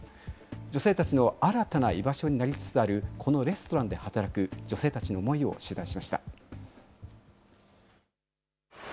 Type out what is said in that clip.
女性たちの新たな居場所になりつつあるこのレストランで働く女性たちの思いを取材しました。